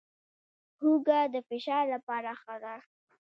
هوږه د فشار لپاره ښه ده